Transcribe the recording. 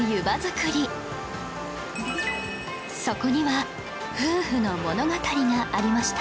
そこには夫婦の物語がありました